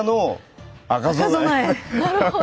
なるほど。